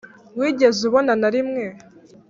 wigeze ubona na rimwe?